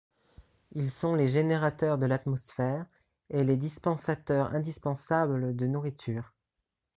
Ils sont les générateurs de l’atmosphère et les dispensateurs indispensables de nourriture.